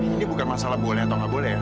ini bukan masalah boleh atau nggak boleh ya